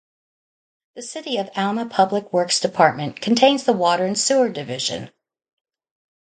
The City of Alma Public Works Department contains the Water and Sewer Division.